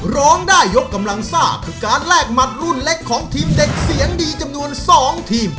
ร้องได้ยกกำลังซ่าคือการแลกหมัดรุ่นเล็กของทีมเด็กเสียงดีจำนวน๒ทีม